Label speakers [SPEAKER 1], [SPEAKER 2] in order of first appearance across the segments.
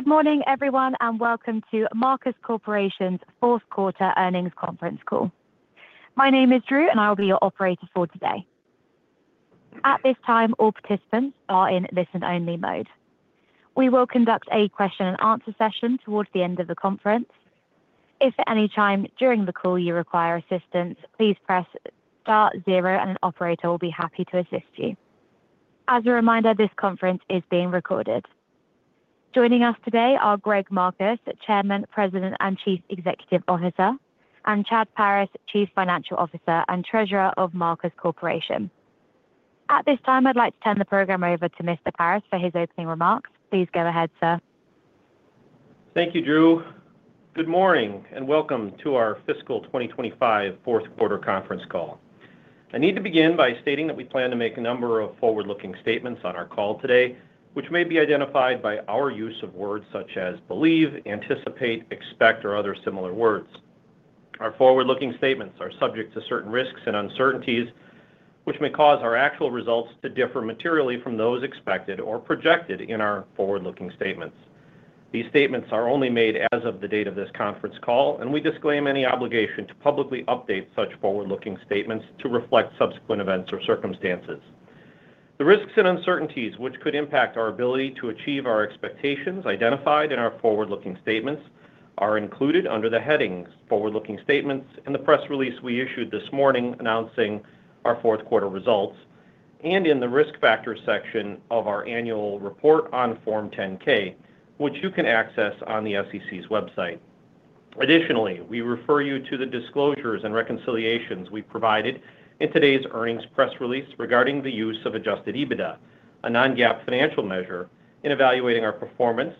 [SPEAKER 1] Good morning, everyone, and welcome to Marcus Corporation's Fourth Quarter Earnings Conference call. My name is Drew, and I will be your operator for today. At this time, all participants are in listen-only mode. We will conduct a question and answer session towards the end of the conference. If at any time during the call you require assistance, please press star zero, and an operator will be happy to assist you. As a reminder, this conference is being recorded. Joining us today are Greg Marcus, Chairman, President, and Chief Executive Officer, and Chad Paris, Chief Financial Officer and Treasurer of Marcus Corporation. At this time, I'd like to turn the program over to Mr. Paris for his opening remarks. Please go ahead, sir.
[SPEAKER 2] Thank you, Drew. Good morning, and welcome to our fiscal 2025 fourth quarter conference call. I need to begin by stating that we plan to make a number of forward-looking statements on our call today, which may be identified by our use of words such as believe, anticipate, expect, or other similar words. Our forward-looking statements are subject to certain risks and uncertainties, which may cause our actual results to differ materially from those expected or projected in our forward-looking statements. These statements are only made as of the date of this conference call. We disclaim any obligation to publicly update such forward-looking statements to reflect subsequent events or circumstances. The risks and uncertainties which could impact our ability to achieve our expectations identified in our forward-looking statements are included under the headings "Forward-Looking Statements" in the press release we issued this morning announcing our fourth quarter results, and in the Risk Factors section of our annual report on Form 10-K, which you can access on the SEC's website. Additionally, we refer you to the disclosures and reconciliations we provided in today's earnings press release regarding the use of Adjusted EBITDA, a non-GAAP financial measure, in evaluating our performance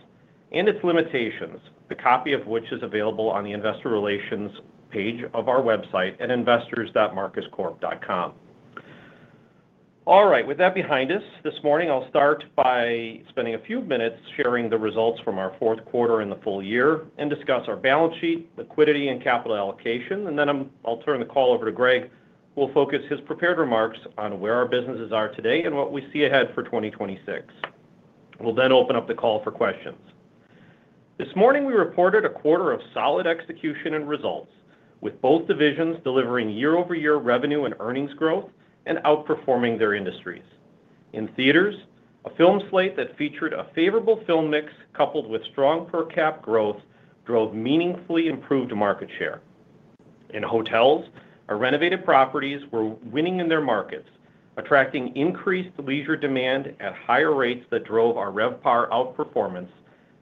[SPEAKER 2] and its limitations, the copy of which is available on the investor relations page of our website at investors.marcuscorp.com. All right, with that behind us, this morning I'll start by spending a few minutes sharing the results from our fourth quarter and the full year and discuss our balance sheet, liquidity, and capital allocation. I'll turn the call over to Greg, who will focus his prepared remarks on where our businesses are today and what we see ahead for 2026. We'll then open up the call for questions. This morning, we reported a quarter of solid execution and results, with both divisions delivering year-over-year revenue and earnings growth and outperforming their industries. In Theatres, a film slate that featured a favorable film mix coupled with strong per cap growth drove meaningfully improved market share. In hotels, our renovated properties were winning in their markets, attracting increased leisure demand at higher rates that drove our RevPAR outperformance,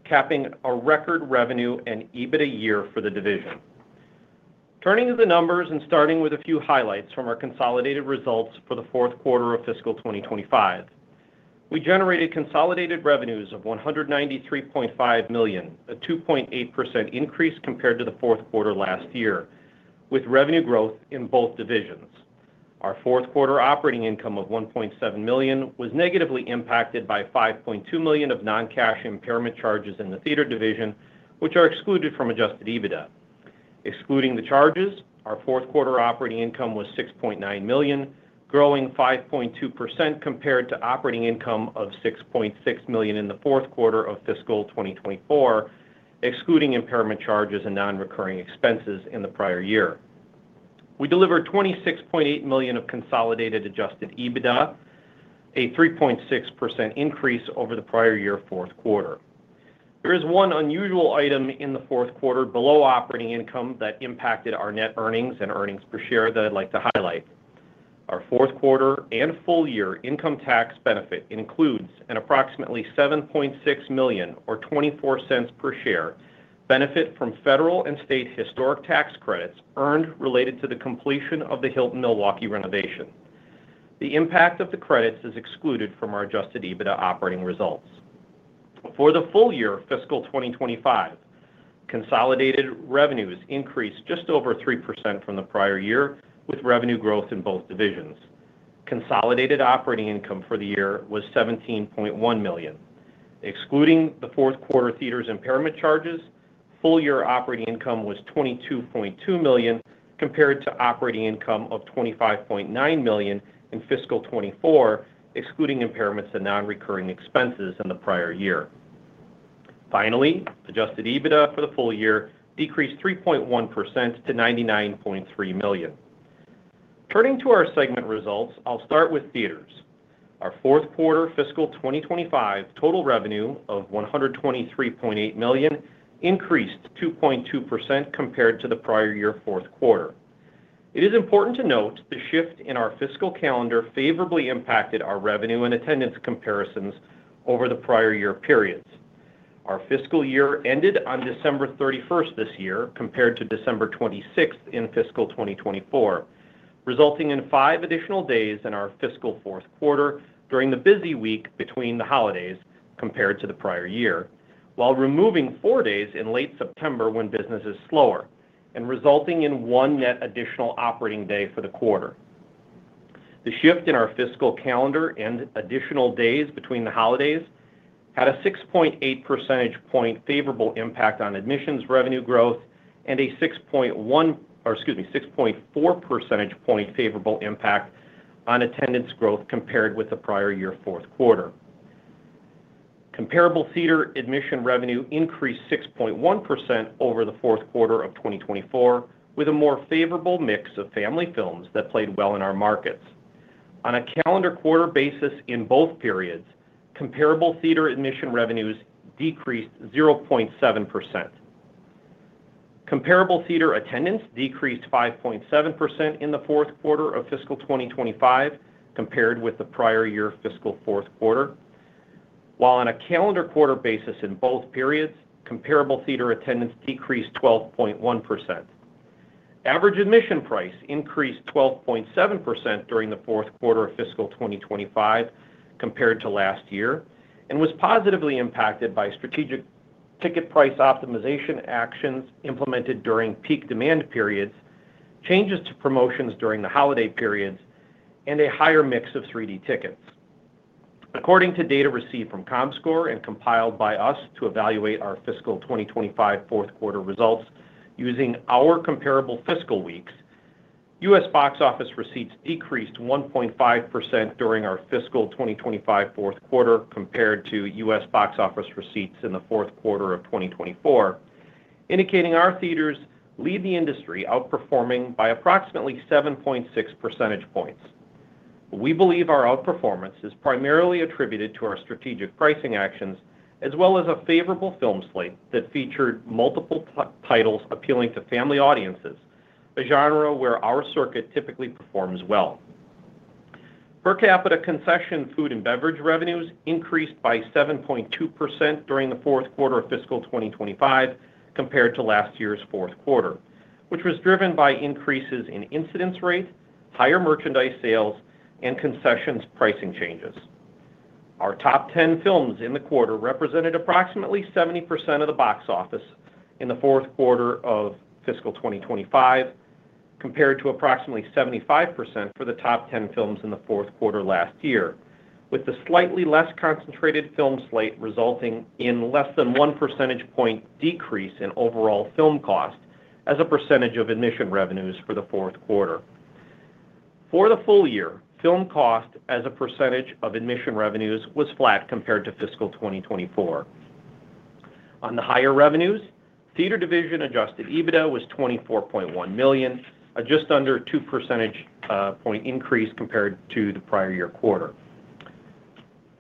[SPEAKER 2] capping a record revenue and EBITDA year for the division. Turning to the numbers and starting with a few highlights from our consolidated results for the fourth quarter of fiscal 2025. We generated consolidated revenues of $193.5 million, a 2.8% increase compared to the fourth quarter last year, with revenue growth in both divisions. Our fourth quarter operating income of $1.7 million was negatively impacted by $5.2 million of non-cash impairment charges in the theater division, which are excluded from Adjusted EBITDA. Excluding the charges, our fourth quarter operating income was $6.9 million, growing 5.2% compared to operating income of $6.6 million in the fourth quarter of fiscal 2024, excluding impairment charges and non-recurring expenses in the prior year. We delivered $26.8 million of consolidated Adjusted EBITDA, a 3.6% increase over the prior year fourth quarter. There is one unusual item in the fourth quarter below operating income that impacted our net earnings and earnings per share that I'd like to highlight. Our fourth quarter and full-year income tax benefit includes an approximately $7.6 million or $0.24 per share benefit from federal and state historic tax credits earned related to the completion of the Hilton Milwaukee renovation. The impact of the credits is excluded from our Adjusted EBITDA operating results. For the full year fiscal 2025, consolidated revenues increased just over 3% from the prior year, with revenue growth in both divisions. Consolidated operating income for the year was $17.1 million. Excluding the fourth quarter theaters impairment charges, full-year operating income was $22.2 million, compared to operating income of $25.9 million in fiscal 2024, excluding impairments and non-recurring expenses in the prior year. Adjusted EBITDA for the full year decreased 3.1% to $99.3 million. Turning to our segment results, I'll start with theaters. Our fourth quarter fiscal 2025 total revenue of $123.8 million increased 2.2% compared to the prior year fourth quarter. It is important to note the shift in our fiscal calendar favorably impacted our revenue and attendance comparisons over the prior year periods. Our fiscal year ended on December 31st this year, compared to December 26th in fiscal 2024, resulting in five additional days in our fiscal fourth quarter during the busy week between the holidays compared to the prior year, while removing four days in late September when business is slower and resulting in one net additional operating day for the quarter. The shift in our fiscal calendar and additional days between the holidays had a 6.8 percentage point favorable impact on admissions revenue growth and a 6.1, or excuse me, 6.4 percentage point favorable impact on attendance growth compared with the prior year fourth quarter. Comparable theater admission revenue increased 6.1% over the fourth quarter of 2024, with a more favorable mix of family films that played well in our markets. On a calendar quarter basis in both periods, comparable theater admission revenues decreased 0.7%. Comparable theater attendance decreased 5.7% in the fourth quarter of fiscal 2025 compared with the prior year fiscal fourth quarter, while on a calendar quarter basis in both periods, comparable theater attendance decreased 12.1%. Average admission price increased 12.7% during the fourth quarter of fiscal 2025 compared to last year, and was positively impacted by strategic ticket price optimization actions implemented during peak demand periods, changes to promotions during the holiday periods, and a higher mix of 3D tickets. According to data received from Comscore and compiled by us to evaluate our fiscal 2025 fourth quarter results using our comparable fiscal weeks, U.S. box office receipts decreased 1.5% during our fiscal 2025 fourth quarter compared to U.S. box office receipts in the fourth quarter of 2024, indicating our theaters lead the industry, outperforming by approximately 7.6 percentage points. We believe our outperformance is primarily attributed to our strategic pricing actions, as well as a favorable film slate that featured multiple titles appealing to family audiences, a genre where our circuit typically performs well. Per capita concession food and beverage revenues increased by 7.2% during the fourth quarter of fiscal 2025 compared to last year's fourth quarter, which was driven by increases in incidence rate, higher merchandise sales, and concessions pricing changes. Our top 10 films in the quarter represented approximately 70% of the box office in the fourth quarter of fiscal 2025, compared to approximately 75% for the top 10 films in the fourth quarter last year, with the slightly less concentrated film slate resulting in less than one percentage point decrease in overall film cost as a percentage of admission revenues for the fourth quarter. For the full year, film cost as a percentage of admission revenues was flat compared to fiscal 2024. On the higher revenues, Theater Division Adjusted EBITDA was $24.1 million, just under 2 percentage point increase compared to the prior year quarter.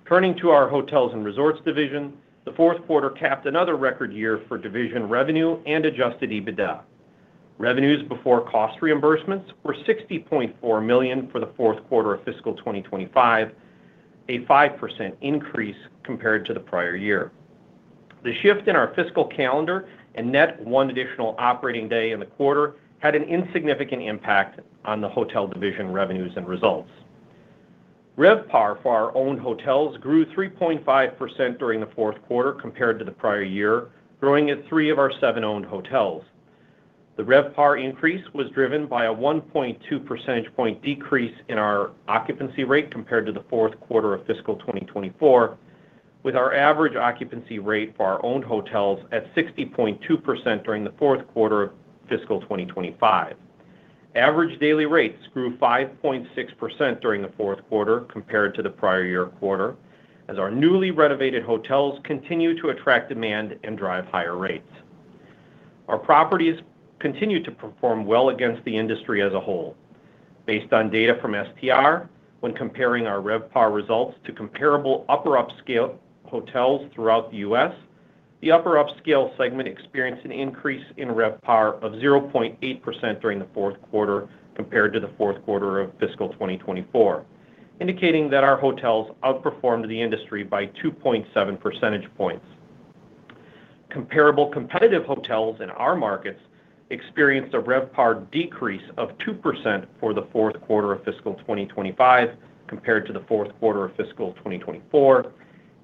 [SPEAKER 2] Turning to our Hotels and Resorts division, the fourth quarter capped another record year for division revenue and Adjusted EBITDA. Revenues before cost reimbursements were $60.4 million for the fourth quarter of fiscal 2025, a 5% increase compared to the prior year. The shift in our fiscal calendar and net one additional operating day in the quarter had an insignificant impact on the Hotel division revenues and results. RevPAR for our owned hotels grew 3.5% during the fourth quarter compared to the prior year, growing at three of our seven owned hotels. The RevPAR increase was driven by a 1.2 percentage point decrease in our occupancy rate compared to the fourth quarter of fiscal 2024, with our average occupancy rate for our owned hotels at 60.2% during the fourth quarter of fiscal 2025. Average daily rates grew 5.6% during the fourth quarter compared to the prior year quarter, as our newly renovated hotels continue to attract demand and drive higher rates. Our properties continue to perform well against the industry as a whole. Based on data from STR, when comparing our RevPAR results to comparable upper upscale hotels throughout the U.S., the upper upscale segment experienced an increase in RevPAR of 0.8% during the fourth quarter compared to the fourth quarter of fiscal 2024, indicating that our hotels outperformed the industry by 2.7 percentage points. Comparable competitive hotels in our markets experienced a RevPAR decrease of 2% for the fourth quarter of fiscal 2025 compared to the fourth quarter of fiscal 2024,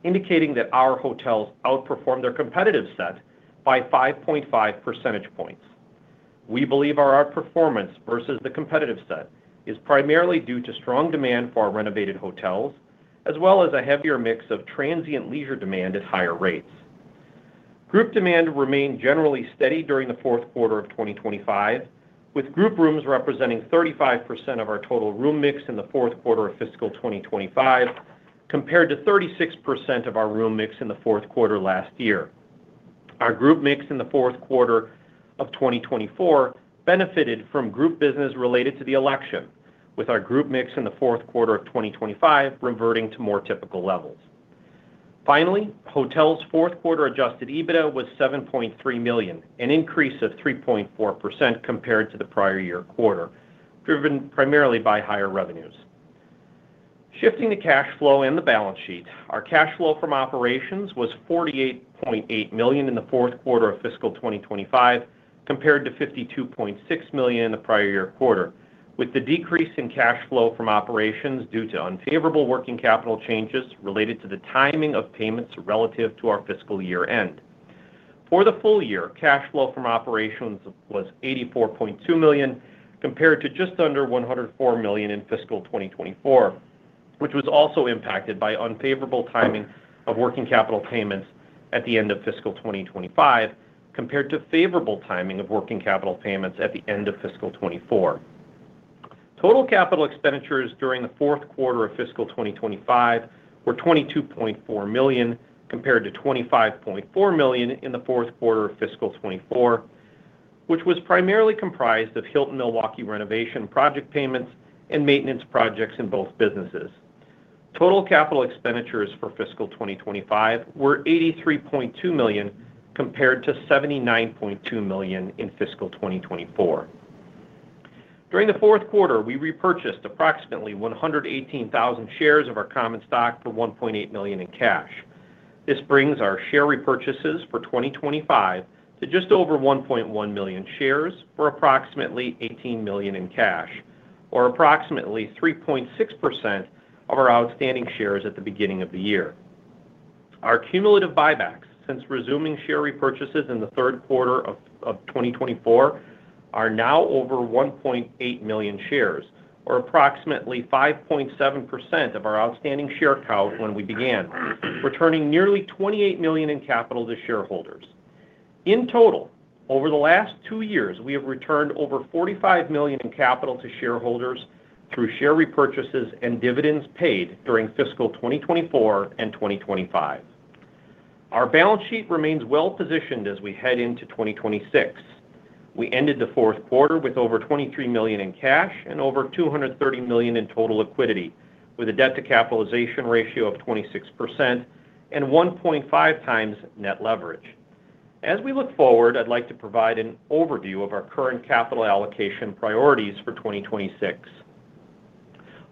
[SPEAKER 2] indicating that our hotels outperformed their competitive set by 5.5 percentage points. We believe our outperformance versus the competitive set is primarily due to strong demand for our renovated hotels, as well as a heavier mix of transient leisure demand at higher rates. Group demand remained generally steady during the fourth quarter of 2025, with group rooms representing 35% of our total room mix in the fourth quarter of fiscal 2025, compared to 36% of our room mix in the fourth quarter last year. Our group mix in the fourth quarter of 2024 benefited from group business related to the election, with our group mix in the fourth quarter of 2025 reverting to more typical levels. Hotels' fourth quarter Adjusted EBITDA was $7.3 million, an increase of 3.4% compared to the prior year quarter, driven primarily by higher revenues. Shifting to cash flow and the balance sheet, our cash flow from operations was $48.8 million in the fourth quarter of fiscal 2025, compared to $52.6 million in the prior year quarter, with the decrease in cash flow from operations due to unfavorable working capital changes related to the timing of payments relative to our fiscal year end. For the full year, cash flow from operations was $84.2 million, compared to just under $104 million in fiscal 2024. which was also impacted by unfavorable timing of working capital payments at the end of fiscal 2025, compared to favorable timing of working capital payments at the end of fiscal 2024. Total capital expenditures during the fourth quarter of fiscal 2025 were $22.4 million, compared to $25.4 million in the fourth quarter of fiscal 2024, which was primarily comprised of Hilton Milwaukee renovation project payments and maintenance projects in both businesses. Total capital expenditures for fiscal 2025 were $83.2 million, compared to $79.2 million in fiscal 2024. During the fourth quarter, we repurchased approximately 118,000 shares of our common stock for $1.8 million in cash. This brings our share repurchases for 2025 to just over 1.1 million shares, or approximately $18 million in cash, or approximately 3.6% of our outstanding shares at the beginning of the year. Our cumulative buybacks since resuming share repurchases in the third quarter of 2024, are now over 1.8 million shares, or approximately 5.7% of our outstanding share count when we began, returning nearly $28 million in capital to shareholders. In total, over the last two years, we have returned over $45 million in capital to shareholders through share repurchases and dividends paid during fiscal 2024 and 2025. Our balance sheet remains well-positioned as we head into 2026. We ended the fourth quarter with over $23 million in cash and over $230 million in total liquidity, with a debt-to-capitalization ratio of 26% and 1.5x net leverage. As we look forward, I'd like to provide an overview of our current capital allocation priorities for 2026.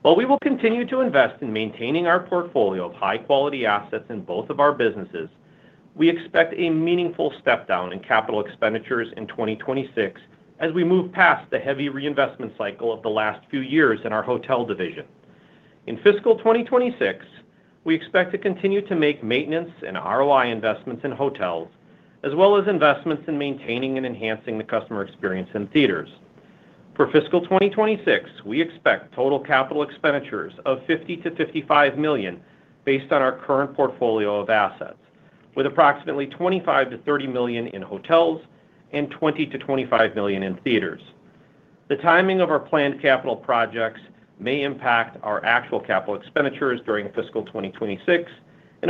[SPEAKER 2] While we will continue to invest in maintaining our portfolio of high-quality assets in both of our businesses, we expect a meaningful step down in capital expenditures in 2026 as we move past the heavy reinvestment cycle of the last few years in our hotel division. In fiscal 2026, we expect to continue to make maintenance and ROI investments in hotels, as well as investments in maintaining and enhancing the customer experience in theaters. For fiscal 2026, we expect total capital expenditures of $50 million-$55 million based on our current portfolio of assets, with approximately $25 million-$30 million in hotels and $20 million-$25 million in theaters. The timing of our planned capital projects may impact our actual capital expenditures during fiscal 2026.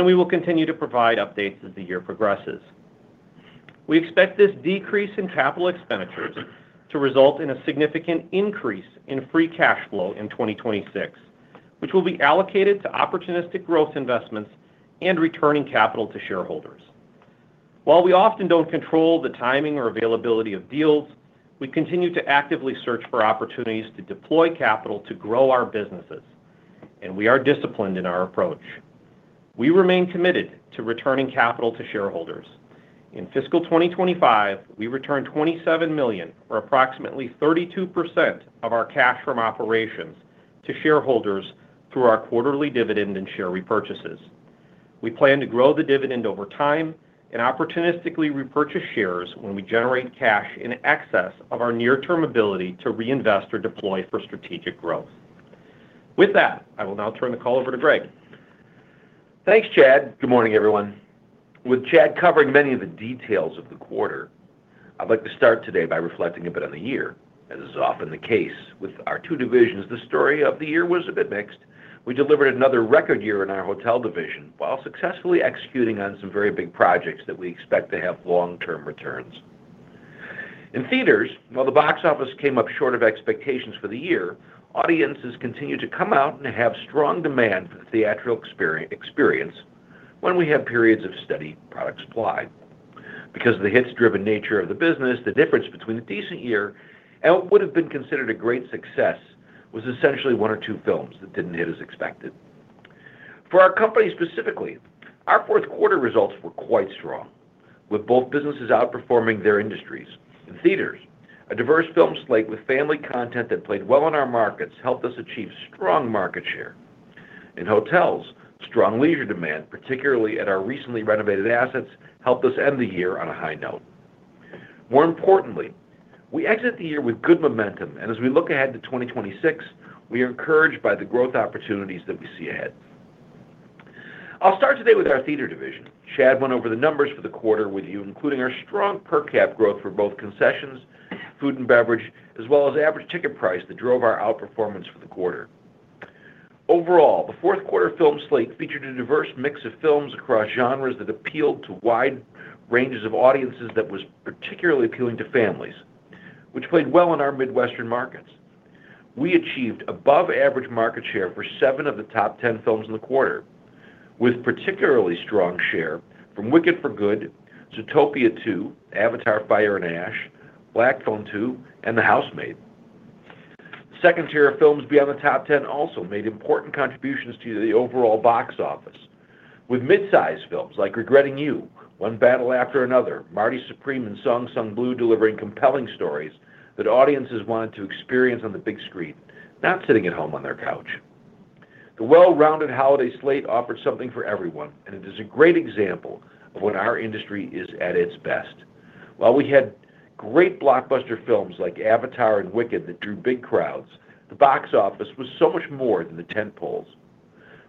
[SPEAKER 2] We will continue to provide updates as the year progresses. We expect this decrease in capital expenditures to result in a significant increase in free cash flow in 2026, which will be allocated to opportunistic growth investments and returning capital to shareholders. While we often don't control the timing or availability of deals, we continue to actively search for opportunities to deploy capital to grow our businesses. We are disciplined in our approach. We remain committed to returning capital to shareholders. In fiscal 2025, we returned $27 million, or approximately 32% of our cash from operations, to shareholders through our quarterly dividend and share repurchases. We plan to grow the dividend over time and opportunistically repurchase shares when we generate cash in excess of our near-term ability to reinvest or deploy for strategic growth. With that, I will now turn the call over to Greg.
[SPEAKER 3] Thanks, Chad. Good morning, everyone. With Chad covering many of the details of the quarter, I'd like to start today by reflecting a bit on the year. As is often the case with our two divisions, the story of the year was a bit mixed. We delivered another record year in our hotel division, while successfully executing on some very big projects that we expect to have long-term returns. In Theatres, while the box office came up short of expectations for the year, audiences continued to come out and have strong demand for the theatrical experience when we have periods of steady product supply. Because of the hits-driven nature of the business, the difference between a decent year and what would have been considered a great success was essentially one or two films that didn't hit as expected. For our company specifically, our fourth quarter results were quite strong, with both businesses outperforming their industries. In Theatres, a diverse film slate with family content that played well in our markets helped us achieve strong market share. In hotels, strong leisure demand, particularly at our recently renovated assets, helped us end the year on a high note. More importantly, we exit the year with good momentum. As we look ahead to 2026, we are encouraged by the growth opportunities that we see ahead. I'll start today with our Theatres division. Chad went over the numbers for the quarter with you, including our strong per cap growth for both concessions, food and beverage, as well as average ticket price that drove our outperformance for the quarter. Overall, the fourth quarter film slate featured a diverse mix of films across genres that appealed to wide ranges of audiences, that was particularly appealing to families, which played well in our Midwestern markets. We achieved above average market share for seven of the top 10 films in the quarter, with particularly strong share from Wicked: For Good, Zootopia 2, Avatar: Fire and Ash, Black Phone 2, and The Housemaid. Second-tier films beyond the top 10 also made important contributions to the overall box office, with mid-size films like Regretting You, One Battle After Another, Marty Supreme, and Song Sung Blue, delivering compelling stories that audiences wanted to experience on the big screen, not sitting at home on their couch. The well-rounded holiday slate offered something for everyone, and it is a great example of when our industry is at its best. While we had great blockbuster films like Avatar and Wicked that drew big crowds, the box office was so much more than the tent poles,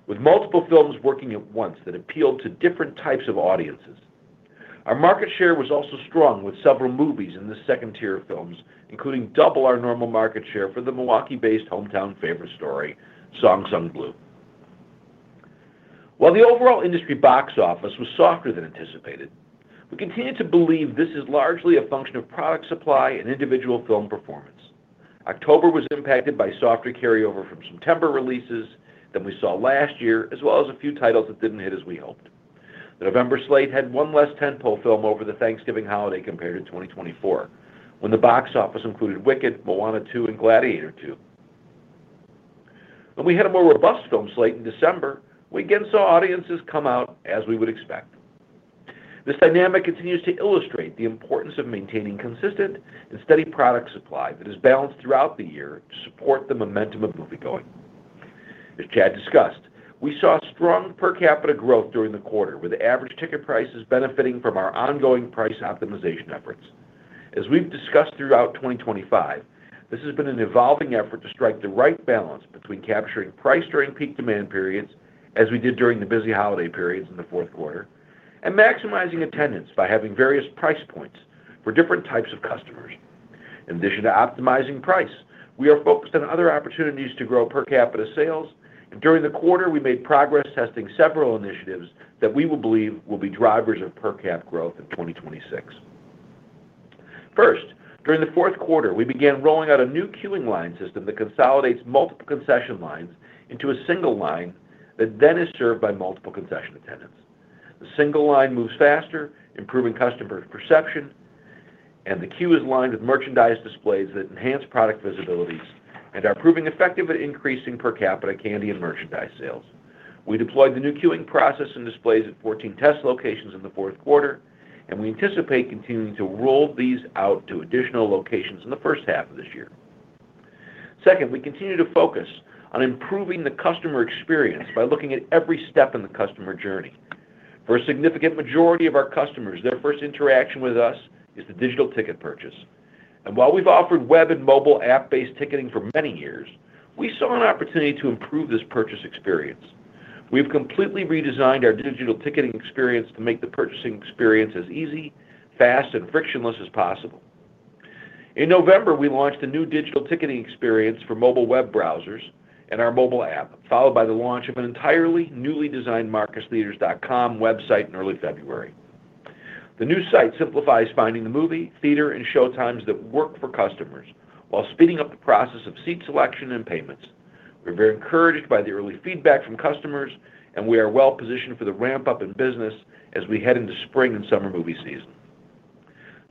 [SPEAKER 3] with multiple films working at once that appealed to different types of audiences. Our market share was also strong, with several movies in the second tier of films, including double our normal market share for the Milwaukee-based hometown favorite story, Song Sung Blue. While the overall industry box office was softer than anticipated, we continue to believe this is largely a function of product supply and individual film performance. October was impacted by softer carryover from September releases than we saw last year, as well as a few titles that didn't hit as we hoped. The November slate had one less tentpole film over the Thanksgiving holiday compared to 2024, when the box office included Wicked, Moana 2, and Gladiator II. When we had a more robust film slate in December, we again saw audiences come out as we would expect. This dynamic continues to illustrate the importance of maintaining consistent and steady product supply that is balanced throughout the year to support the momentum of moviegoing. As Chad discussed, we saw strong per capita growth during the quarter, with average ticket prices benefiting from our ongoing price optimization efforts. As we've discussed throughout 2025, this has been an evolving effort to strike the right balance between capturing price during peak demand periods, as we did during the busy holiday periods in the fourth quarter, and maximizing attendance by having various price points for different types of customers. In addition to optimizing price, we are focused on other opportunities to grow per capita sales. During the quarter, we made progress testing several initiatives that we believe will be drivers of per cap growth in 2026. First, during the fourth quarter, we began rolling out a new queuing line system that consolidates multiple concession lines into a single line that then is served by multiple concession attendants. The single line moves faster, improving customer perception. The queue is lined with merchandise displays that enhance product visibilities and are proving effective at increasing per capita candy and merchandise sales. We deployed the new queuing process and displays at 14 test locations in the fourth quarter. We anticipate continuing to roll these out to additional locations in the first half of this year. Second, we continue to focus on improving the customer experience by looking at every step in the customer journey. For a significant majority of our customers, their first interaction with us is the digital ticket purchase. While we've offered web and mobile app-based ticketing for many years, we saw an opportunity to improve this purchase experience. We've completely redesigned our digital ticketing experience to make the purchasing experience as easy, fast, and frictionless as possible. In November, we launched a new digital ticketing experience for mobile web browsers and our mobile app, followed by the launch of an entirely newly designed marcustheatres.com website in early February. The new site simplifies finding the movie, theater, and showtimes that work for customers while speeding up the process of seat selection and payments. We're very encouraged by the early feedback from customers. We are well positioned for the ramp-up in business as we head into spring and summer movie season.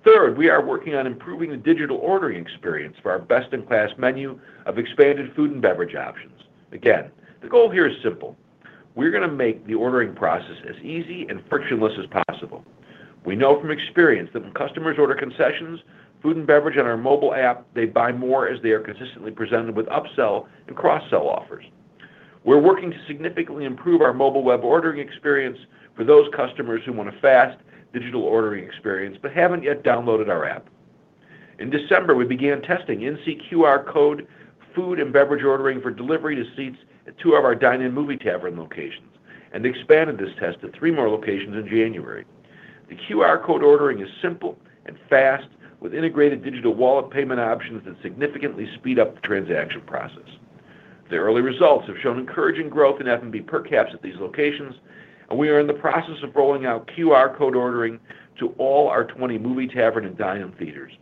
[SPEAKER 3] Third, we are working on improving the digital ordering experience for our best-in-class menu of expanded food and beverage options. Again, the goal here is simple: We're going to make the ordering process as easy and frictionless as possible. We know from experience that when customers order concessions, food, and beverage on our mobile app, they buy more as they are consistently presented with upsell and cross-sell offers. We're working to significantly improve our mobile web ordering experience for those customers who want a fast digital ordering experience but haven't yet downloaded our app. In December, we began testing NFC QR code food and beverage ordering for delivery to seats at two of our dine-in Movie Tavern locations and expanded this test to three more locations in January. The QR code ordering is simple and fast, with integrated digital wallet payment options that significantly speed up the transaction process. The early results have shown encouraging growth in F&B per caps at these locations, and we are in the process of rolling out QR code ordering to all our 20 Movie Tavern and dine-in theaters.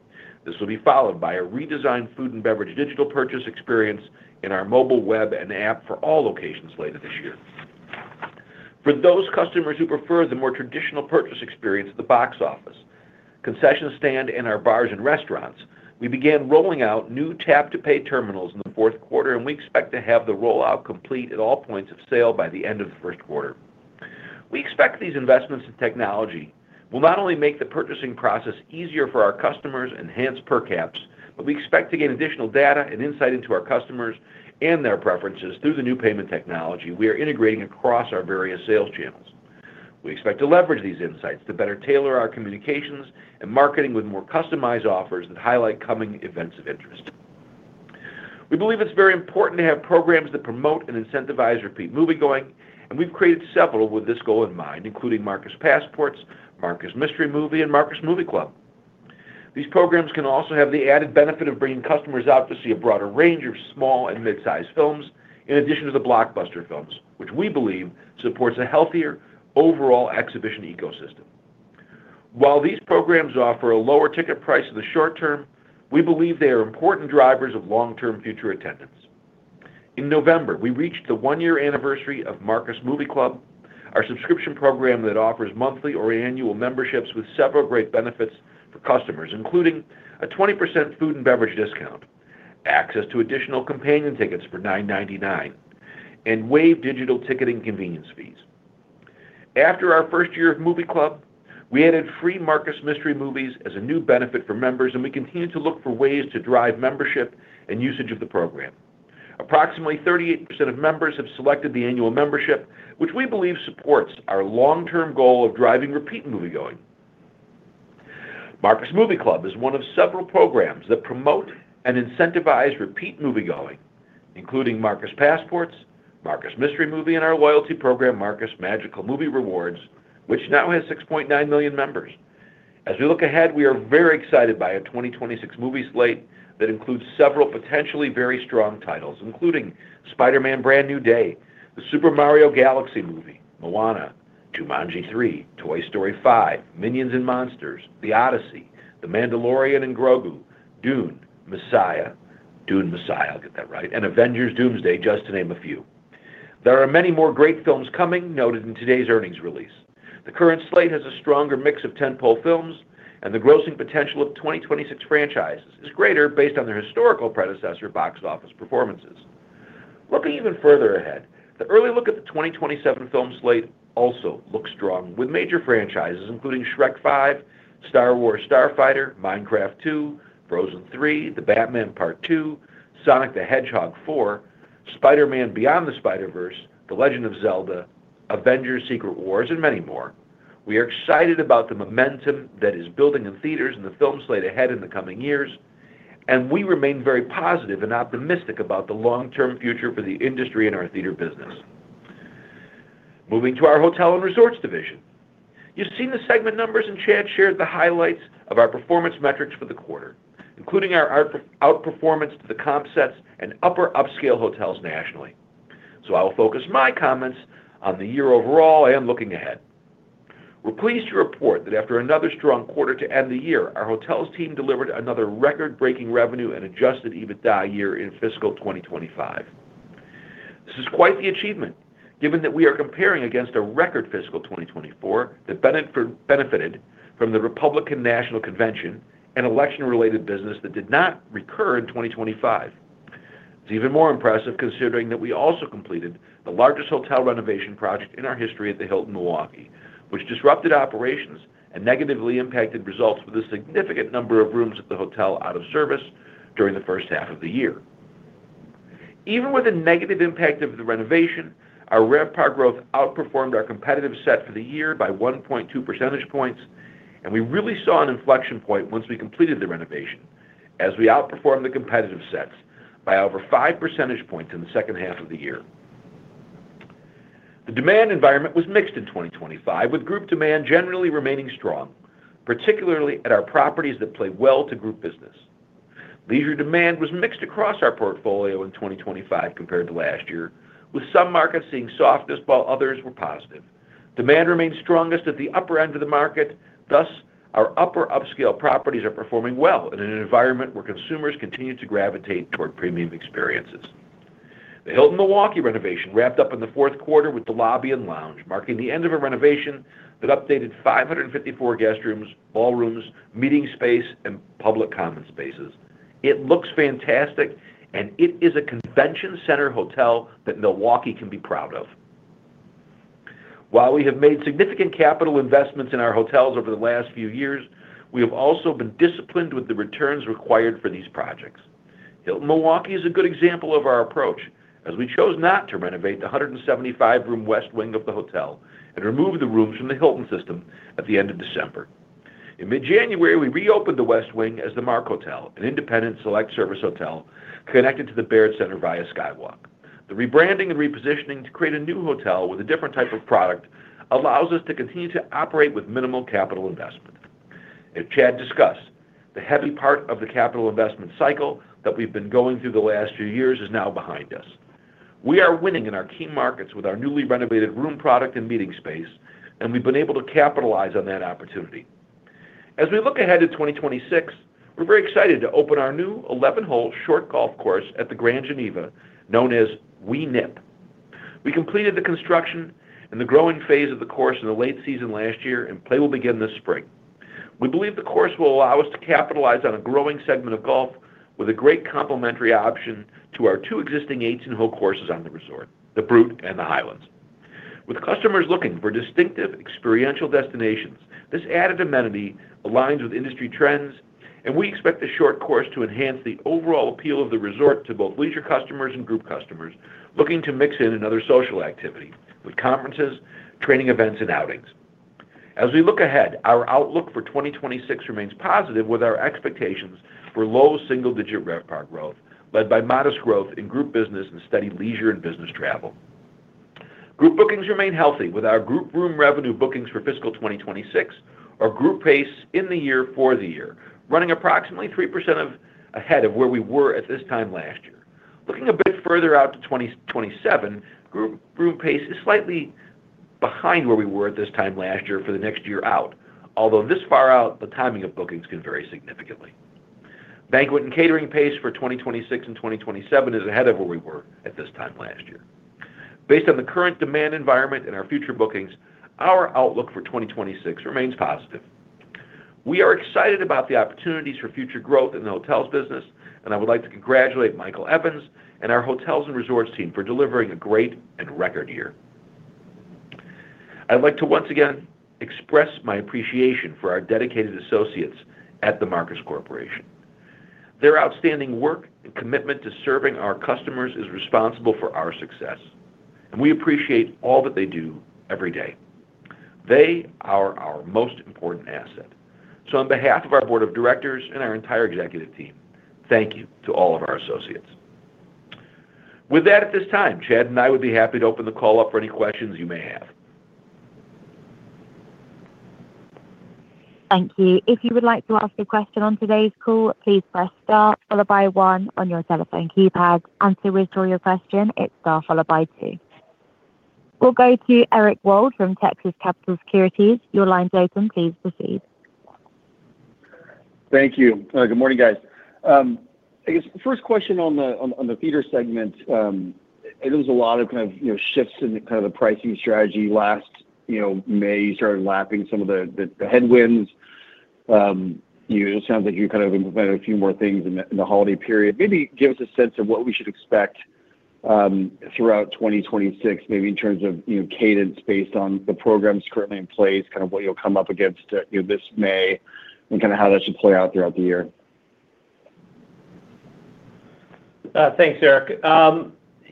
[SPEAKER 3] This will be followed by a redesigned food and beverage digital purchase experience in our mobile web and app for all locations later this year. For those customers who prefer the more traditional purchase experience at the box office, concession stand, and our bars and restaurants, we began rolling out new tap-to-pay terminals in the fourth quarter. We expect to have the rollout complete at all points of sale by the end of the first quarter. We expect these investments in technology will not only make the purchasing process easier for our customers enhance per caps, but we expect to gain additional data and insight into our customers and their preferences through the new payment technology we are integrating across our various sales channels. We expect to leverage these insights to better tailor our communications and marketing with more customized offers that highlight coming events of interest. We believe it's very important to have programs that promote and incentivize repeat moviegoing, and we've created several with this goal in mind, including Marcus Passports, Marcus Mystery Movie, and Marcus Movie Club. These programs can also have the added benefit of bringing customers out to see a broader range of small and mid-sized films, in addition to the blockbuster films, which we believe supports a healthier overall exhibition ecosystem. While these programs offer a lower ticket price in the short term, we believe they are important drivers of long-term future attendance. In November, we reached the one-year anniversary of Marcus Movie Club, our subscription program that offers monthly or annual memberships with several great benefits for customers, including a 20% food and beverage discount, access to additional companion tickets for $9.99, and waived digital ticketing convenience fees. After our first year of Movie Club, we added free Marcus Mystery Movies as a new benefit for members, and we continue to look for ways to drive membership and usage of the program. Approximately 38% of members have selected the annual membership, which we believe supports our long-term goal of driving repeat moviegoing. Marcus Movie Club is one of several programs that promote and incentivize repeat moviegoing, including Marcus Passports, Marcus Mystery Movie, and our loyalty program, Marcus Magical Movie Rewards, which now has 6.9 million members. As we look ahead, we are very excited by our 2026 movie slate that includes several potentially very strong titles, including Spider-Man: Brand New Day, The Super Mario Galaxy Movie, Moana, Jumanji 3, Toy Story 5, Minions & Monsters, The Odyssey, The Mandalorian & Grogu, Dune: Messiah, I'll get that right, and Avengers: Doomsday, just to name a few. There are many more great films coming, noted in today's earnings release. The current slate has a stronger mix of tent-pole films, and the grossing potential of 2026 franchises is greater based on their historical predecessor box office performances. Looking even further ahead, the early look at the 2027 film slate also looks strong, with major franchises including Shrek 5, Star Wars: Starfighter, Minecraft 2, Frozen III, The Batman: Part Two, Sonic the Hedgehog 4, Spider-Man: Beyond the Spider-Verse, The Legend of Zelda, Avengers: Secret Wars, and many more. We are excited about the momentum that is building in theaters and the film slate ahead in the coming years, We remain very positive and optimistic about the long-term future for the industry and our theater business. Moving to our hotel and resorts division. You've seen the segment numbers, Chad shared the highlights of our performance metrics for the quarter, including our outperformance to the comp sets and upper upscale hotels nationally. I will focus my comments on the year overall and looking ahead. We're pleased to report that after another strong quarter to end the year, our hotels team delivered another record-breaking revenue and Adjusted EBITDA year in fiscal 2025. This is quite the achievement, given that we are comparing against a record fiscal 2024 that benefited from the Republican National Convention and election-related business that did not recur in 2025. It's even more impressive, considering that we also completed the largest hotel renovation project in our history at the Hilton Milwaukee, which disrupted operations and negatively impacted results with a significant number of rooms at the hotel out of service during the first half of the year. Even with the negative impact of the renovation, our RevPAR growth outperformed our competitive set for the year by 1.2 percentage points. We really saw an inflection point once we completed the renovation, as we outperformed the competitive sets by over five percentage points in the second half of the year. The demand environment was mixed in 2025, with group demand generally remaining strong, particularly at our properties that play well to group business. Leisure demand was mixed across our portfolio in 2025 compared to last year, with some markets seeing softness while others were positive. Demand remained strongest at the upper end of the market. Thus, our upper upscale properties are performing well in an environment where consumers continue to gravitate toward premium experiences. The Hilton Milwaukee renovation wrapped up in the fourth quarter with the lobby and lounge, marking the end of a renovation that updated 554 guest rooms, ballrooms, meeting space, and public common spaces. It looks fantastic. It is a convention center hotel that Milwaukee can be proud of. While we have made significant capital investments in our hotels over the last few years, we have also been disciplined with the returns required for these projects. Hilton Milwaukee is a good example of our approach, as we chose not to renovate the 175-room west wing of the hotel and removed the rooms from the Hilton system at the end of December. In mid-January, we reopened the west wing as the Mark Hotel, an independent select service hotel connected to the Baird Center via Skywalk. The rebranding and repositioning to create a new hotel with a different type of product allows us to continue to operate with minimal capital investment. As Chad discussed, the heavy part of the capital investment cycle that we've been going through the last few years is now behind us. We are winning in our key markets with our newly renovated room product and meeting space, and we've been able to capitalize on that opportunity. As we look ahead to 2026, we're very excited to open our new 11-hole short golf course at the Grand Geneva, known as Wee Nip. We completed the construction and the growing phase of the course in the late season last year, and play will begin this spring. We believe the course will allow us to capitalize on a growing segment of golf with a great complimentary option to our two existing 18-hole courses on the resort, The Brute and The Highlands. With customers looking for distinctive experiential destinations, this added amenity aligns with industry trends. We expect the short course to enhance the overall appeal of the resort to both leisure customers and group customers looking to mix in another social activity, with conferences, training events, and outings. As we look ahead, our outlook for 2026 remains positive, with our expectations for low single-digit RevPAR growth, led by modest growth in group business and steady leisure and business travel. Group bookings remain healthy, with our group room revenue bookings for fiscal 2026, our group pace in the year for the year, running approximately 3% ahead of where we were at this time last year. Looking a bit further out to 2027, group room pace is slightly behind where we were at this time last year for the next year out. This far out, the timing of bookings can vary significantly. Banquet and catering pace for 2026 and 2027 is ahead of where we were at this time last year. Based on the current demand environment and our future bookings, our outlook for 2026 remains positive. We are excited about the opportunities for future growth in the hotels business, and I would like to congratulate Michael Evans and our hotels and resorts team for delivering a great and record year. I'd like to once again express my appreciation for our dedicated associates at The Marcus Corporation. Their outstanding work and commitment to serving our customers is responsible for our success, and we appreciate all that they do every day. They are our most important asset. On behalf of our Board of Directors and our entire executive team, thank you to all of our associates. With that, at this time, Chad and I would be happy to open the call up for any questions you may have.
[SPEAKER 1] Thank you. If you would like to ask a question on today's call, please press star followed by one on your telephone keypad, and to withdraw your question, it's star followed by two. We'll go to Eric Wold from Texas Capital Securities. Your line's open. Please proceed.
[SPEAKER 4] Thank you. Good morning, guys. I guess the first question on the, on the theater segment, there was a lot of kind of, you know, shifts in the kind of the pricing strategy last, you know, May. You started lapping some of the, the headwinds. It sounds like you kind of implemented a few more things in the, in the holiday period. Maybe give us a sense of what we should expect throughout 2026, maybe in terms of, you know, cadence based on the programs currently in place, kind of what you'll come up against, you know, this May, and kind of how that should play out throughout the year.
[SPEAKER 2] Thanks, Eric.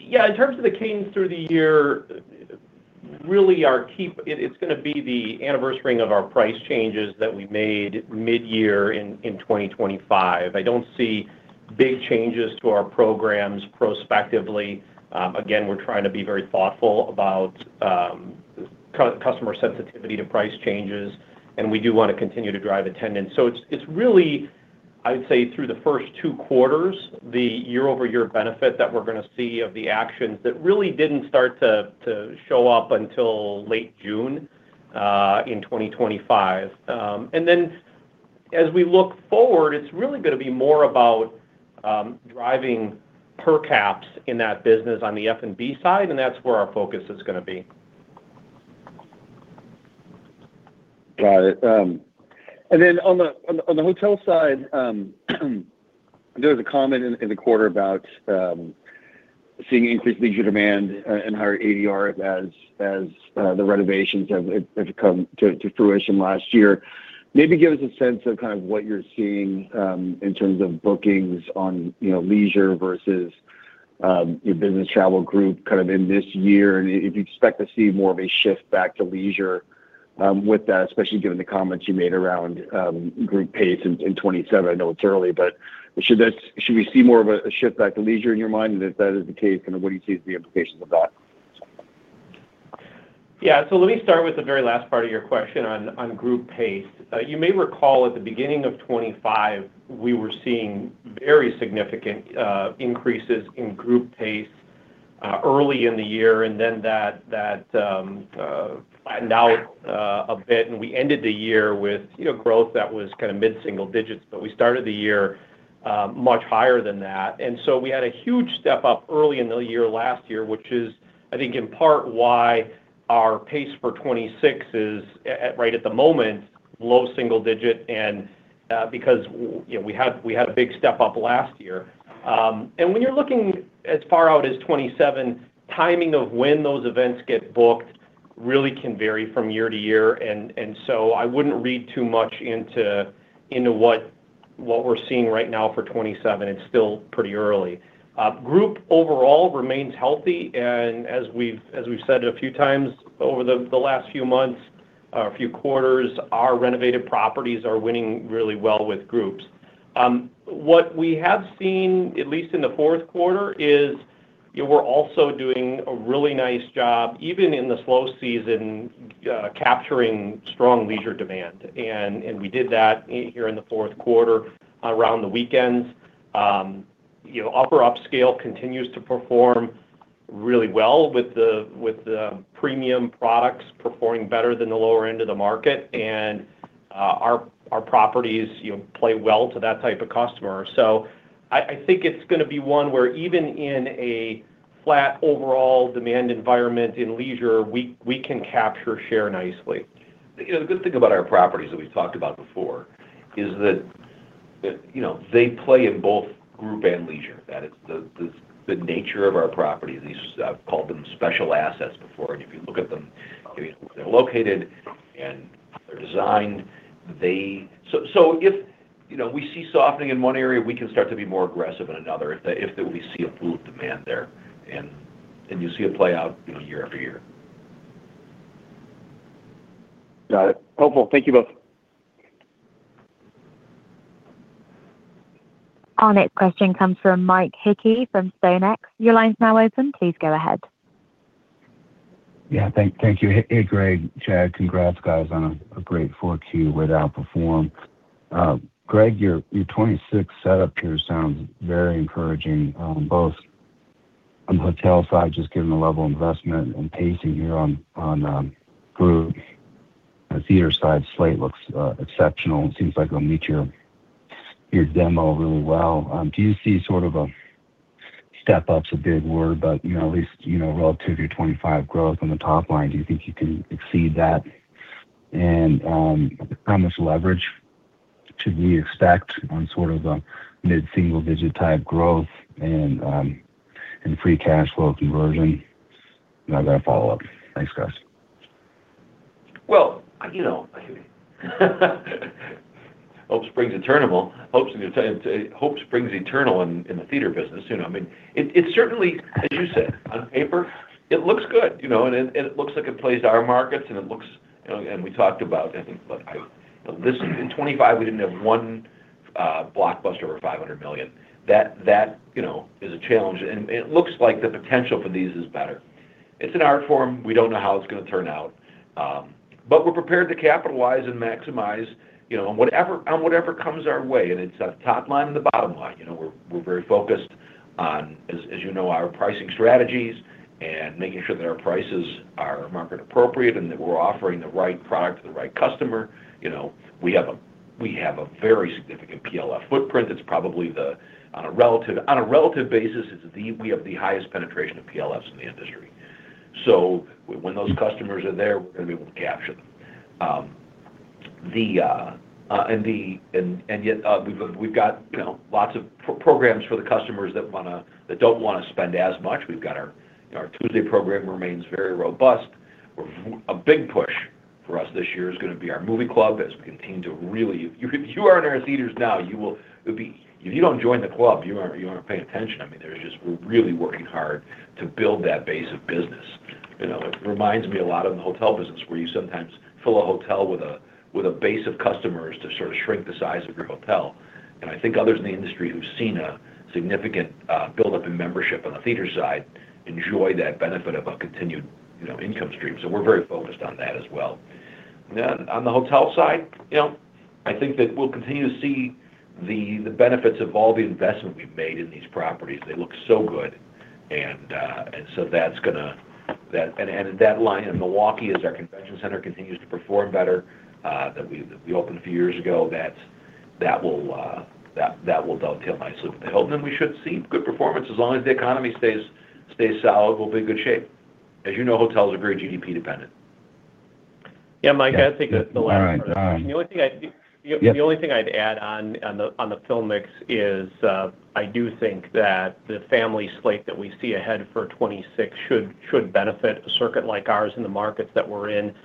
[SPEAKER 2] Yeah, in terms of the cadence through the year, really our key. It's gonna be the anniversary-ing of our price changes that we made midyear in 2025. I don't see big changes to our programs prospectively. Again, we're trying to be very thoughtful about customer sensitivity to price changes, and we do want to continue to drive attendance. It's really, I'd say, through the first two quarters, the year-over-year benefit that we're gonna see of the actions that really didn't start to show up until late June in 2025. As we look forward, it's really gonna be more about driving per caps in that business on the F&B side, and that's where our focus is gonna be.
[SPEAKER 4] Got it. On the hotel side, there was a comment in the quarter about seeing increased leisure demand and higher ADR as the renovations have come to fruition last year. Maybe give us a sense of kind of what you're seeing in terms of bookings on leisure versus your business travel group kind of in this year, and if you'd expect to see more of a shift back to leisure with that, especially given the comments you made around group pace in 2027. I know it's early, should we see more of a shift back to leisure in your mind? If that is the case, what do you see as the implications of that?
[SPEAKER 2] Let me start with the very last part of your question on group pace. You may recall at the beginning of 25, we were seeing very significant increases in group pace early in the year, and then that bowed a bit, and we ended the year with, you know, growth that was kind of mid-single digits, but we started the year much higher than that. We had a huge step-up early in the year last year, which is, I think, in part why our pace for 2026 is, right at the moment, low single digit, because, you know, we had a big step-up last year. When you're looking as far out as 2027, timing of when those events get booked really can vary from year to year. So I wouldn't read too much into what we're seeing right now for 2027. It's still pretty early. Group overall remains healthy, and as we've said a few times over the last few months or few quarters, our renovated properties are winning really well with groups. What we have seen, at least in the fourth quarter, is, we're also doing a really nice job, even in the slow season, capturing strong leisure demand. We did that here in the fourth quarter around the weekends. You know, upper upscale continues to perform really well with the premium products performing better than the lower end of the market, and our properties, you know, play well to that type of customer. I think it's gonna be one where even in a flat overall demand environment in leisure, we can capture share nicely.
[SPEAKER 3] You know, the good thing about our properties that we've talked about before is that, you know, they play in both group and leisure. That is the nature of our properties. These, I've called them special assets before, and if you look at them, I mean, where they're located and they're designed, they. If, you know, we see softening in one area, we can start to be more aggressive in another if we see a pool of demand there, and you see it play out, you know, year after year.
[SPEAKER 4] Got it. Helpful. Thank you both.
[SPEAKER 1] Our next question comes from Mike Hickey from [The Benchmark Company.] Your line's now open. Please go ahead.
[SPEAKER 5] Yeah. Thank you. Hey, Greg, Chad. Congrats, guys, on a great 4Q with outperform. Greg, your 2026 setup here sounds very encouraging, both on the hotel side, just given the level of investment and pacing here on group. The theater side slate looks exceptional, and it seems like it'll meet your demo really well. Do you see sort of a Step-up's a big word, but, you know, at least, you know, relative to 2025 growth on the top line, do you think you can exceed that? Should we expect on sort of a mid-single-digit type growth and free cash flow conversion? I've got a follow-up. Thanks, guys.
[SPEAKER 3] Well, you know, hope springs eternal. Hope springs eternal in the theater business, you know. I mean, it certainly, as you said, on paper, it looks good, you know, and it looks like it plays to our markets. You know, and we talked about, I think, look, but this, in 25, we didn't have one blockbuster over $500 million. That, you know, is a challenge, and it looks like the potential for these is better. It's an art form. We don't know how it's going to turn out, but we're prepared to capitalize and maximize, you know, on whatever comes our way, and it's the top line and the bottom line. You know, we're very focused on, as you know, our pricing strategies and making sure that our prices are market appropriate, and that we're offering the right product to the right customer. You know, we have a very significant PLF footprint. It's probably the, on a relative basis, we have the highest penetration of PLFs in the industry. When those customers are there, we're going to be able to capture them. The, we've got, you know, lots of programs for the customers that don't wanna spend as much. We've got our, you know, our Tuesday program remains very robust. A big push for us this year is gonna be our movie club, as we continue to really... If you aren't in our theaters now, you will, if you don't join the club, you aren't paying attention. I mean, we're really working hard to build that base of business. You know, it reminds me a lot of the hotel business, where you sometimes fill a hotel with a base of customers to sort of shrink the size of your hotel. I think others in the industry who've seen a significant buildup in membership on the theater side enjoy that benefit of a continued, you know, income stream. We're very focused on that as well. On the hotel side, you know, I think that we'll continue to see the benefits of all the investment we've made in these properties. They look so good, that's gonna... That line in Milwaukee, as our convention center continues to perform better, that we opened a few years ago, that will dovetail nicely with the hotel. We should see good performance. As long as the economy stays solid, we'll be in good shape. As you know, hotels are very GDP dependent.
[SPEAKER 2] Yeah, Mike, I think the last part.
[SPEAKER 5] All right.
[SPEAKER 2] The only thing I'd-.
[SPEAKER 5] Yep.
[SPEAKER 2] The only thing I'd add on the film mix is, I do think that the family slate that we see ahead for 2026 should benefit a circuit like ours in the markets that we're in.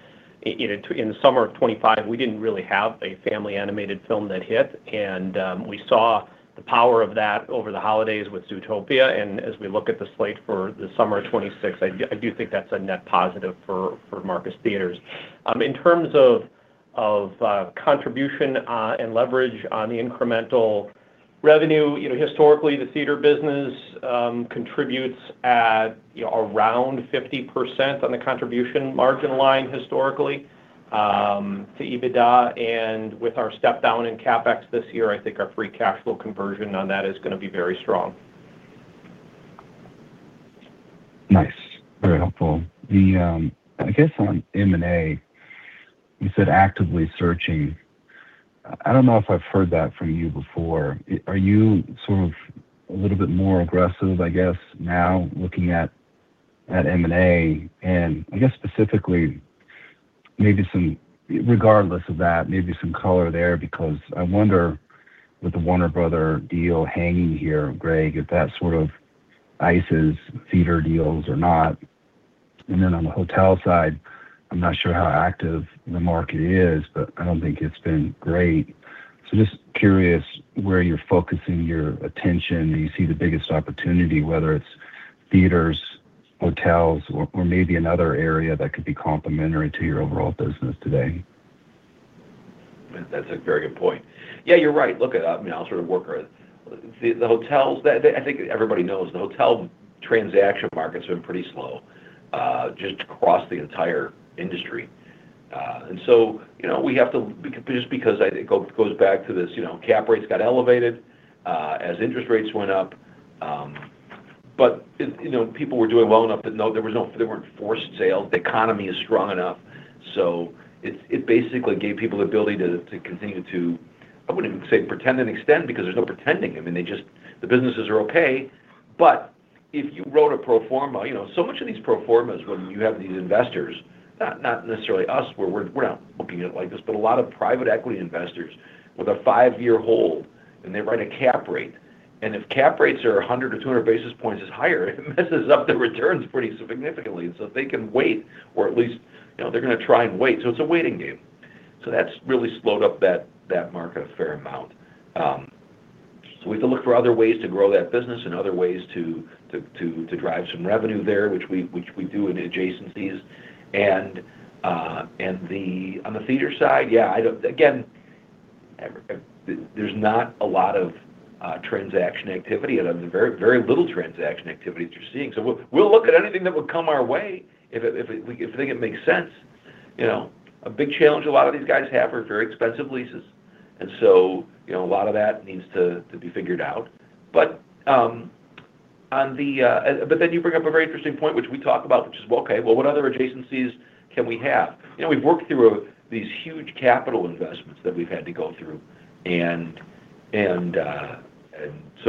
[SPEAKER 2] You know, in the summer of 2025, we didn't really have a family animated film that hit, and we saw the power of that over the holidays with Zootopia, and as we look at the slate for the summer of 2026, I do think that's a net positive for Marcus Theatres. In terms of contribution and leverage on the incremental revenue, you know, historically, the theater business contributes at, you know, around 50% on the contribution margin line historically to EBITDA, and with our step down in CapEx this year, I think our free cash flow conversion on that is gonna be very strong.
[SPEAKER 5] Nice. Very helpful. The, I guess on M&A, you said actively searching. I don't know if I've heard that from you before. Are you sort of a little bit more aggressive, I guess, now, looking at M&A? I guess specifically, maybe some, regardless of that, maybe some color there, because I wonder, with the Warner Bros. deal hanging here, Greg, if that sort of ices theater deals or not. On the hotel side, I'm not sure how active the market is, but I don't think it's been great. Just curious where you're focusing your attention, and you see the biggest opportunity, whether it's theaters, hotels, or maybe another area that could be complementary to your overall business today?
[SPEAKER 3] That's a very good point. Yeah, you're right. Look, I mean, The hotels, I think everybody knows the hotel transaction market's been pretty slow, just across the entire industry. You know, we have to, just because I think it goes back to this, you know, cap rates got elevated, as interest rates went up. It, you know, people were doing well enough that, no, there weren't forced sales. The economy is strong enough, so it basically gave people the ability to continue to, I wouldn't even say pretend and extend, because there's no pretending. I mean, they just... The businesses are okay. If you wrote a pro forma, you know, so much of these pro formas, when you have these investors, not necessarily us, we're not looking at it like this, but a lot of private equity investors with a five-year hold, and they write a cap rate. If cap rates are 100 or 200 basis points higher, it messes up the returns pretty significantly. If they can wait, or at least, you know, they're gonna try and wait, so it's a waiting game. That's really slowed up that market a fair amount. We have to look for other ways to grow that business and other ways to drive some revenue there, which we do in adjacencies. On the theater side, yeah, I don't... Again, there's not a lot of transaction activity, and there's very little transaction activity to seeing. We'll look at anything that would come our way if we think it makes sense. You know, a big challenge a lot of these guys have are very expensive leases, you know, a lot of that needs to be figured out. You bring up a very interesting point, which we talk about, which is, well, okay, well, what other adjacencies can we have? You know, we've worked through these huge capital investments that we've had to go through.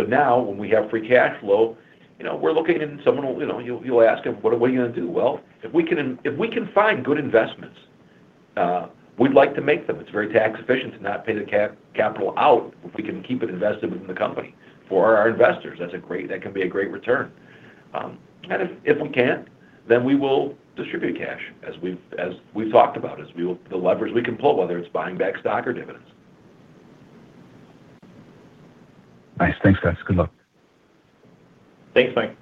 [SPEAKER 3] Now when we have free cash flow, you know, we're looking and someone will, you know, you'll ask them: "What are we gonna do?" Well, if we can find good investments, we'd like to make them. It's very tax efficient to not pay the capital out if we can keep it invested within the company. For our investors, that can be a great return. If we can't, then we will distribute cash as we've talked about, the levers we can pull, whether it's buying back stock or dividends.
[SPEAKER 5] Nice. Thanks, guys. Good luck.
[SPEAKER 2] Thanks, Mike.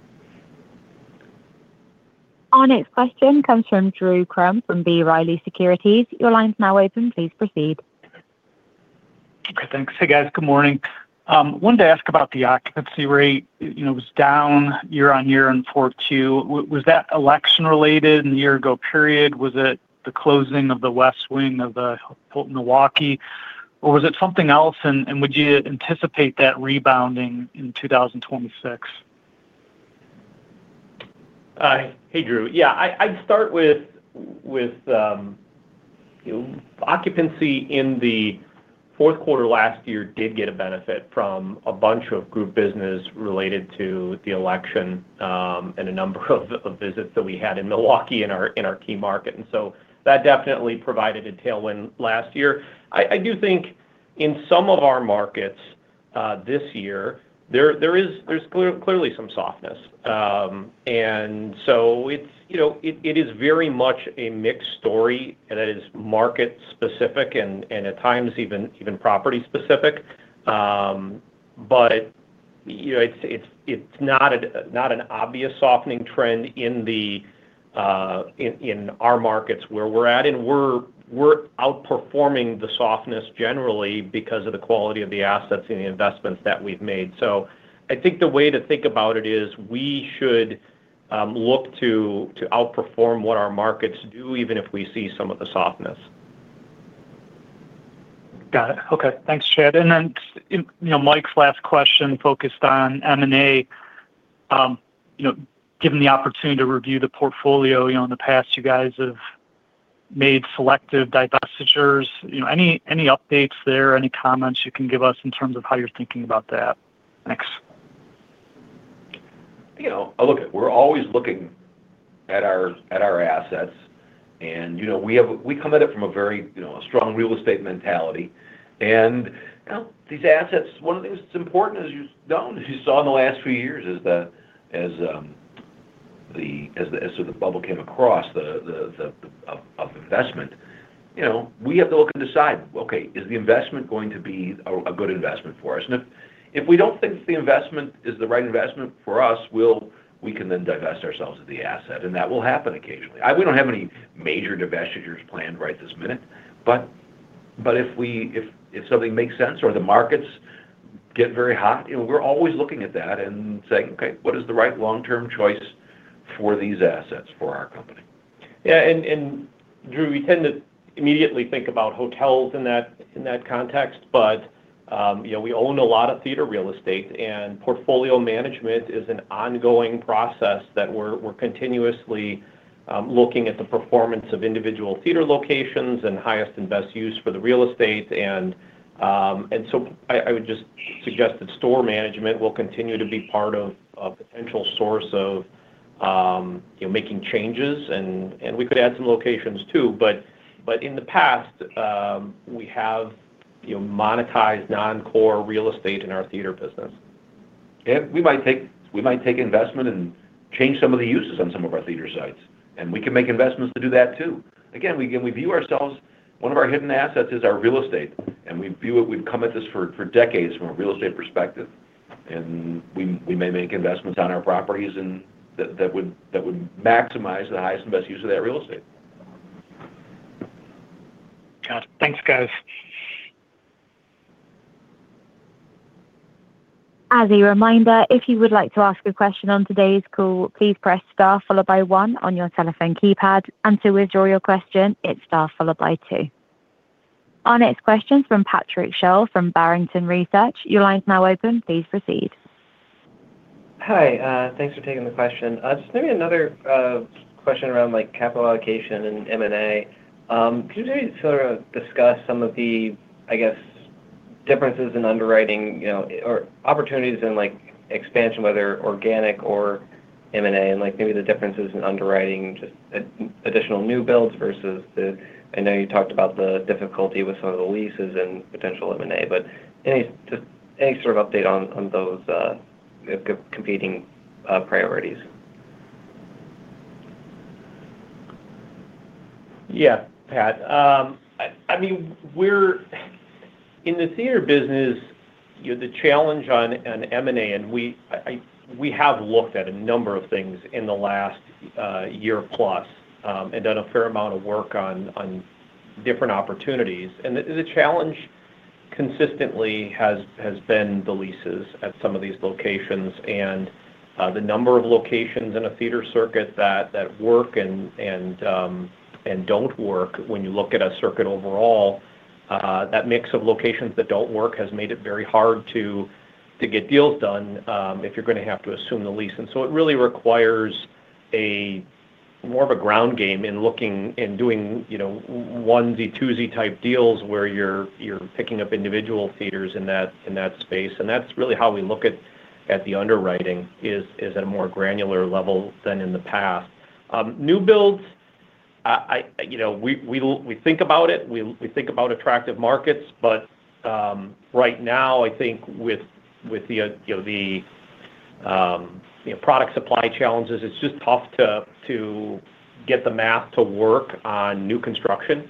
[SPEAKER 1] Our next question comes from Drew Crum from B. Riley Securities. Your line's now open. Please proceed.
[SPEAKER 6] Okay, thanks. Hey, guys. Good morning. Wanted to ask about the occupancy rate. You know, it was down year-on-year in quarter two. Was that election related in the year ago period? Was it the closing of the west wing of the Hilton Milwaukee, or was it something else, and would you anticipate that rebounding in 2026?
[SPEAKER 2] Hey, Drew. Yeah, I'd start with occupancy in the fourth quarter last year did get a benefit from a bunch of group business related to the election, and a number of visits that we had in Milwaukee in our key market. That definitely provided a tailwind last year. I do think in some of our markets, this year, there's clearly some softness. It's, you know, it is very much a mixed story, and it is market specific and at times even property specific. But, you know, it's not an obvious softening trend in our markets where we're at, and we're outperforming the softness generally because of the quality of the assets and the investments that we've made. I think the way to think about it is we should look to outperform what our markets do, even if we see some of the softness.
[SPEAKER 6] Got it. Okay. Thanks, Chad. You know, Mike's last question focused on M&A. You know, given the opportunity to review the portfolio, you know, in the past, you guys have made selective divestitures. You know, any updates there, any comments you can give us in terms of how you're thinking about that? Thanks.
[SPEAKER 3] Look, we're always looking at our, at our assets and, you know, we come at it from a very, you know, a strong real estate mentality. You know, these assets, one of the things that's important, as you know, as you saw in the last few years, is that as sort of the bubble came across the of investment, you know, we have to look and decide, "Okay, is the investment going to be a good investment for us?" If we don't think the investment is the right investment for us, we can then divest ourselves of the asset, and that will happen occasionally. We don't have any major divestitures planned right this minute, but if something makes sense or the markets get very hot, you know, we're always looking at that and saying, "Okay, what is the right long-term choice for these assets, for our company?
[SPEAKER 2] Drew, we tend to immediately think about hotels in that, in that context, but you know, we own a lot of theater real estate, and portfolio management is an ongoing process that we're continuously looking at the performance of individual theater locations and highest and best use for the real estate. So I would just suggest that store management will continue to be part of a potential source of, you know, making changes, and we could add some locations too. In the past, we have, you know, monetized non-core real estate in our theater business.
[SPEAKER 3] We might take investment and change some of the uses on some of our theater sites. We can make investments to do that too. Again, we view ourselves, one of our hidden assets is our real estate. We view it. We've come at this for decades from a real estate perspective. We may make investments on our properties that would maximize the highest and best use of that real estate.
[SPEAKER 6] Got it. Thanks, guys.
[SPEAKER 1] As a reminder, if you would like to ask a question on today's call, please press Star followed by one on your telephone keypad. To withdraw your question, it's Star followed by two. Our next question from Patrick Sholl from Barrington Research. Your line is now open. Please proceed.
[SPEAKER 7] Hi, thanks for taking the question. Just maybe another question around, like, capital allocation and M&A. Could you maybe sort of discuss some of the, I guess, differences in underwriting, you know, or opportunities in, like, expansion, whether organic or M&A, and, like, maybe the differences in underwriting, just additional new builds versus the... I know you talked about the difficulty with some of the leases and potential M&A, but any, just any sort of update on those competing priorities?
[SPEAKER 2] Yeah, Pat. I mean, in the theater business, you know, the challenge on an M&A, and we, I, we have looked at a number of things in the last year plus, and done a fair amount of work on different opportunities. The challenge consistently has been the leases at some of these locations and the number of locations in a theater circuit that work and don't work when you look at a circuit overall, that mix of locations that don't work has made it very hard to get deals done if you're gonna have to assume the lease. It really requires more of a ground game in looking and doing, you know, onesie, twosie type deals where you're picking up individual theaters in that, in that space. That's really how we look at the underwriting, is at a more granular level than in the past. New builds, you know, we think about it, we think about attractive markets, but right now, I think with the, you know, the, you know, product supply challenges, it's just tough to get the math to work on new construction.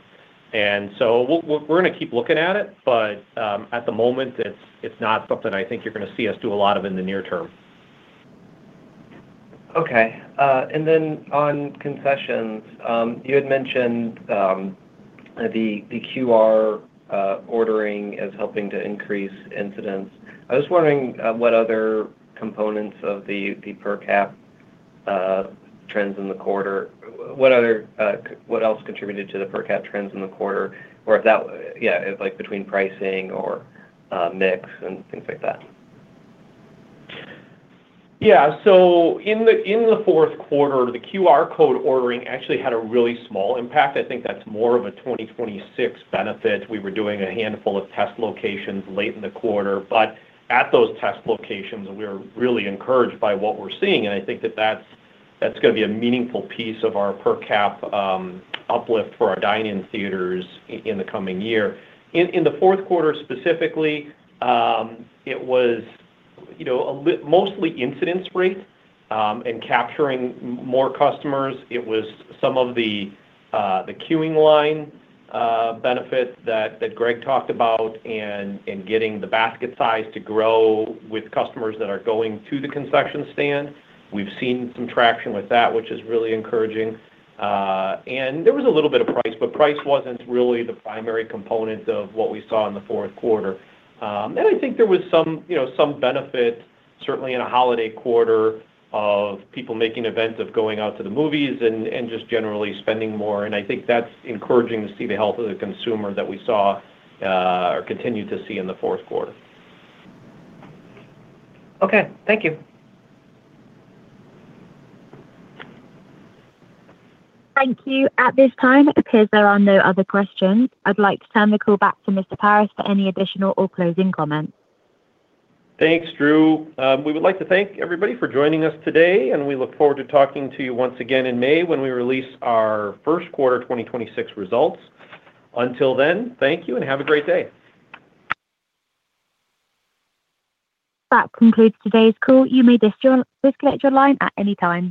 [SPEAKER 2] So we're gonna keep looking at it, but at the moment, it's not something I think you're gonna see us do a lot of in the near term.
[SPEAKER 7] Okay. On concessions, you had mentioned, the QR ordering as helping to increase incidents. I was wondering, what other, what else contributed to the per cap trends in the quarter? Or if that, yeah, like between pricing or, mix and things like that.
[SPEAKER 2] Yeah. In the fourth quarter, the QR code ordering actually had a really small impact. I think that's more of a 2026 benefit. We were doing a handful of test locations late in the quarter. At those test locations, we are really encouraged by what we're seeing, and I think that's going to be a meaningful piece of our per cap uplift for our dine-in theaters in the coming year. In the fourth quarter, specifically, it was, you know, mostly incidence rate in capturing more customers. It was some of the queuing line benefit that Greg talked about, and getting the basket size to grow with customers that are going to the concession stand. We've seen some traction with that, which is really encouraging. There was a little bit of price, but price wasn't really the primary component of what we saw in the fourth quarter. I think there was some, you know, some benefit, certainly in a holiday quarter of people making events of going out to the movies and just generally spending more. I think that's encouraging to see the health of the consumer that we saw, or continued to see in the fourth quarter.
[SPEAKER 7] Okay, thank you.
[SPEAKER 1] Thank you. At this time, it appears there are no other questions. I'd like to turn the call back to Mr. Paris for any additional or closing comments.
[SPEAKER 2] Thanks, Drew. We would like to thank everybody for joining us today, and we look forward to talking to you once again in May when we release our first quarter 2026 results. Until then, thank you and have a great day.
[SPEAKER 1] That concludes today's call. You may disconnect your line at any time.